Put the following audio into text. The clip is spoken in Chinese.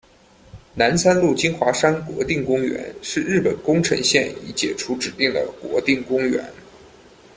南三陆金华山国定公园是日本宫城县已解除指定的国定公园。